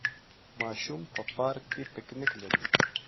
ماشوم په پارک کې پکنک لري.